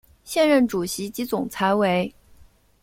现任主席及总裁为。